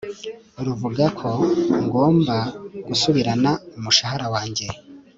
ruvuga ko ngomba gusubirana umushahara wajye